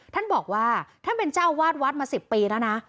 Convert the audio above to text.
ท่านบอกว่าท่านเป็นเจ้าอาวาสวัดมา๑๐ปีแล้วนะ